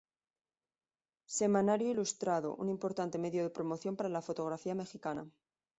Semanario Ilustrado, un importante medio de promoción para la fotografía mexicana.